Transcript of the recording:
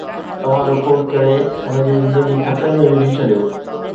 توهان رپورٽ ڪري هن جي زندگي خطري ۾ وجهي ڇڏيو